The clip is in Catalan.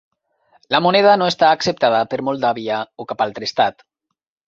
La moneda no està acceptada per Moldàvia o cap altre estat.